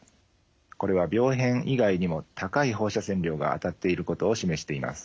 これは病変以外にも高い放射線量が当たっていることを示しています。